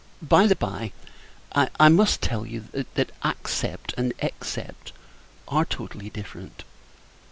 By the bye, I must tell you, that accept and except are totally different.